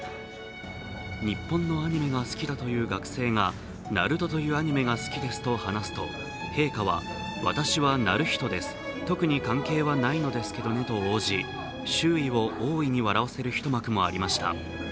日本のアニメが好きだという学生が「ＮＡＲＵＴＯ」というアニメが好きですと話すと、陛下は、私はナルヒトです、特に関係はないんですけどねと応じ周囲を大いに笑わせる一幕もありました。